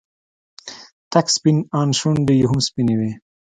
تک سپين ان شونډې يې هم سپينې وې.